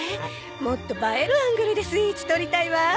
もっと映えるアングルでスイーツ撮りたいわ。